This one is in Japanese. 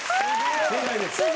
正解です。